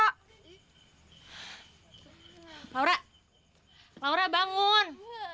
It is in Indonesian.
laura laura bangun